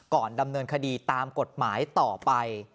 ก่อนดำเนินคดีตามกฎหมายต่อไป